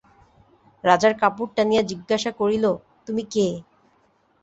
রাজার কাপড় টানিয়া জিজ্ঞাসা করিল, তুমি কে?